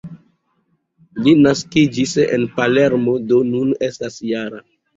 Li naskiĝis en Palermo, do nun estas -jara.